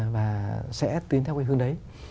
và sẽ tiến theo hướng đấy